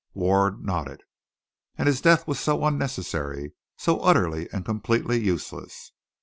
Ward nodded. "And his death was so unnecessary, so utterly and completely useless."